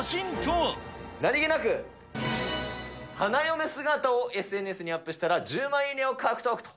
何気なく、花嫁姿をＳＮＳにアップしたら、１０万いいねを獲得と。